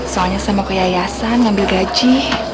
soalnya saya mau ke yayasan ngambil gaji